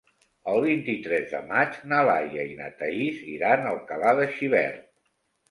El vint-i-tres de maig na Laia i na Thaís iran a Alcalà de Xivert.